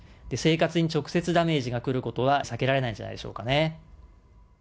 生活に直接ダメージが来ることは避けられないんじゃないでしょうかね。